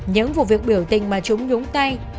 những vụ việc biểu tình mà chúng nhúng tay